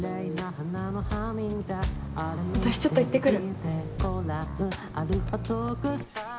私ちょっと言ってくる。